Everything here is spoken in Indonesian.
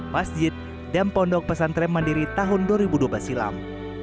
masjid dan pondok pesantren mandiri tahun dua ribu dua belas silam